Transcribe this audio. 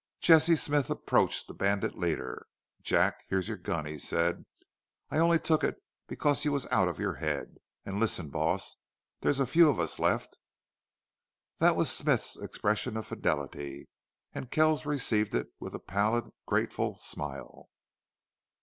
Jesse Smith approached the bandit leader. "Jack, here's your gun," he said. "I only took it because you was out of your head.... An' listen, boss. There's a few of us left." That was Smith's expression of fidelity, and Kells received it with a pallid, grateful smile.